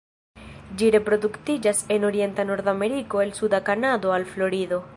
Ĝi reproduktiĝas en orienta Nordameriko el suda Kanado al Florido.